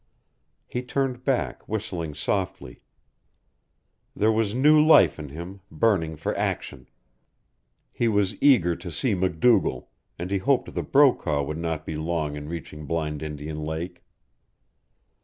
He turned back, whistling softly. There was new life in him, burning for action. He was eager to see MacDougall, and he hoped that Brokaw would not be long in reaching Blind Indian Lake.